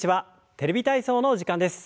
「テレビ体操」の時間です。